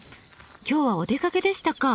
今日はお出かけでしたか？